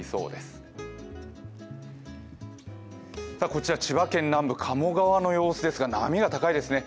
こちら千葉県南部鴨川の様子ですが、波が高いですね。